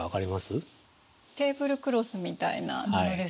テーブルクロスみたいなものですよね。